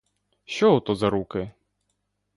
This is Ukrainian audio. Що ото за руки?